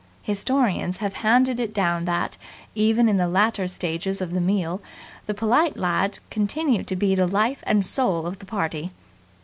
Historians have handed it down that, even in the later stages of the meal, the polite lad continued to be the life and soul of the party.